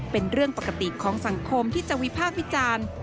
เป็นเรื่องปกติของสังคมที่จะวิพากษ์วิจารณ์